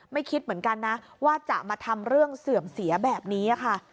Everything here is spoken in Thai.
คิดเหมือนกันนะว่าจะมาทำเรื่องเสื่อมเสียแบบนี้ค่ะ